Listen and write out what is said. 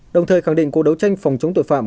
đồng thời khẳng định cuộc đấu tranh phòng chống tội phạm